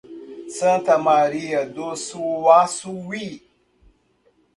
Santa Maria do Suaçuí